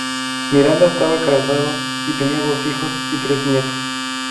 Miranda estaba casado y tenía dos hijos y tres nietos.